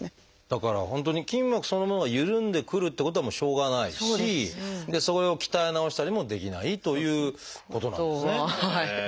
だから本当に筋膜そのものがゆるんでくるってことはもうしょうがないしそれを鍛え直したりもできないということなんですね。